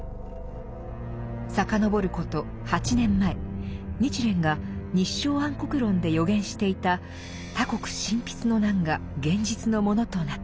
遡ること８年前日蓮が「立正安国論」で予言していた「他国侵の難」が現実のものとなった。